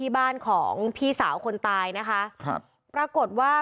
บ้านของพี่สาวคนตายปรากฏว่า